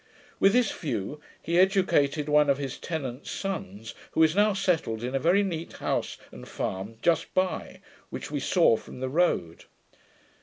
With this view he educated one of his tenant's sons, who is now settled in a very neat house and farm just by, which we saw from the road.